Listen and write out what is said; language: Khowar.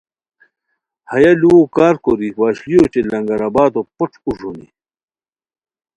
ہیہ لوُؤ کار کوری وشلی اوچے لنگر آبادو پوݯ اوݱ ہونی